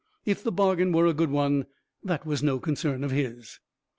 If the bargain were a good one, that was no concern of his.